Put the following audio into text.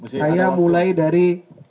saya mulai dari